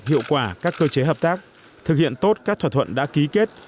hiệu quả các cơ chế hợp tác thực hiện tốt các thỏa thuận đã ký kết